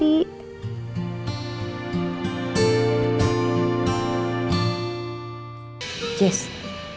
kami udah berpengen berada di listri